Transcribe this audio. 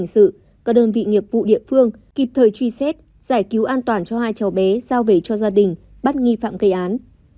các đơn vị nghiệp vụ địa phương kịp thời truy xét giải cứu an toàn cho hai cháu bé giao về cho gia đình bắt nghi phạm gây án